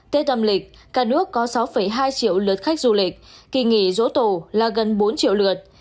tết âm lịch cả nước có sáu hai triệu lượt khách du lịch kỳ nghỉ dỗ tổ là gần bốn triệu lượt